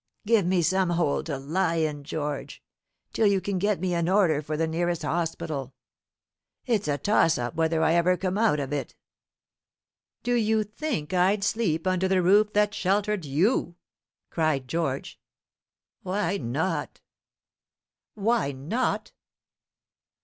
Give me some hole to lie in, George, till you can get me an order for the nearest hospital. It's a toss up whether I ever come out of it." "Do you think I'd sleep under the roof that sheltered you?" cried George. "Why not?" "Why not!